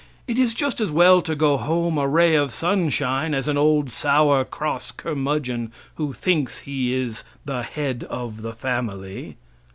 It is just as well to go home a ray of sunshine as an old sour, cross curmudgeon, who thinks he is the head of the family.